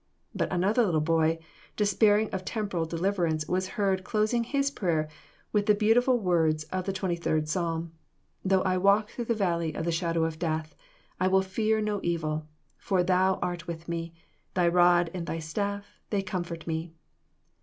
but another little boy, despairing of temporal deliverance, was heard closing his prayer with the beautiful words of the 23rd Psalm: "Though I walk through the valley of the shadow of Death, I will fear no evil; for thou art with me; thy rod and thy staff, they comfort me."